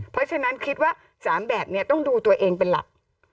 เพราะฉะนั้นคิดว่า๓แบบนี้ต้องดูตัวเองเป็นหลัก